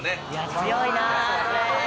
強いなそれ！